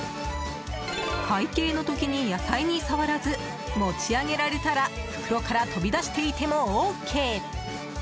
会計の時に野菜に触らず持ち上げられたら袋から飛び出していてもＯＫ！